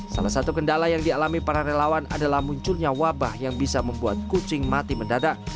salah satu kendala yang dialami para relawan adalah munculnya wabah yang bisa membuat kucing mati mendadak